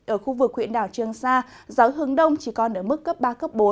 ở khu vực huyện đảo trường sa gió hướng đông chỉ còn ở mức cấp ba cấp bốn